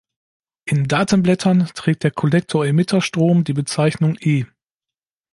In Datenblättern trägt der Kollektor-Emitter-Strom die Bezeichnung "I".